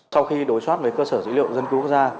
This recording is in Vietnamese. sau khi đối soát về cơ sở dữ liệu dân cư quốc gia